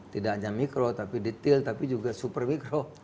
tidak hanya mikro tapi detail tapi juga super mikro